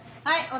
はい。